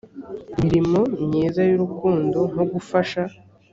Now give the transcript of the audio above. mirimo myiza y’urukundo nko gufasha